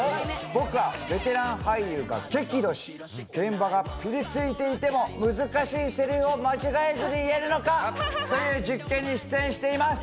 僕はベテラン俳優が激怒し現場がピリついても難しいセリフを間違えずに言えるのか？という実験に出演しています。